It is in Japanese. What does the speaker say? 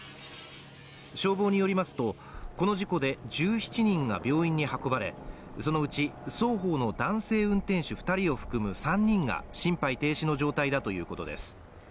消防によりますと、この事故で１７人が病院に運ばれ、そのうち双方の男性運転手２人を含む３人が心肺停止の状態だということです。